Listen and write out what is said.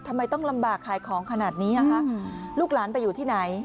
ทำไมต้องลำบากขายของขนาดนี้ลูกหลานไปอยู่ที่ไหน